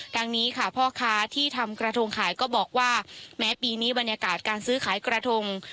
ทางนี้ค่ะพ่อค้าที่ทำกระทงขายก็บอกว่าแม้ปีนี้บรรยากาศการซื้อขายกระทง